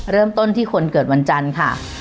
เริ่มต้นที่คนเกิดวันจันทร์ค่ะ